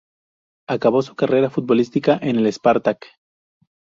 Acabó su carrera futbolística en el Spartak.